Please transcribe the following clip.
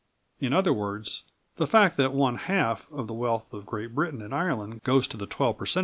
In other words, the fact that one half of the wealth of Great Britain and Ireland goes to the twelve per cent.